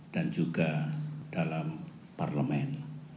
dan juga dalam parlemen